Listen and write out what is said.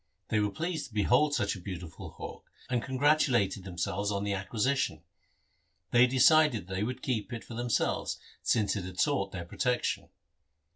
They were pleased to behold such a beautiful hawk, and congratulated themselves on the acquisition. They decided that they would keep it for themselves since it had sought their protection.